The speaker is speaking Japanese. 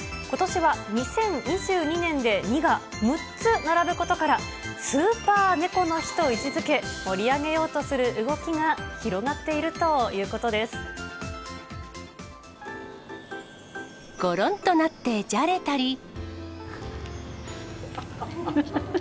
ことしは２０２２年で２が６つ並ぶことから、スーパー猫の日と位置づけ、盛り上げようとする動きが広がっているということでごろんとなってじゃれたり。